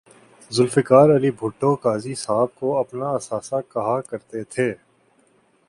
ذوالفقار علی بھٹو قاضی صاحب کو اپنا اثاثہ کہا کر تے تھے